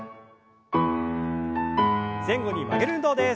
前後に曲げる運動です。